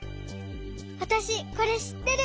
わたしこれしってる。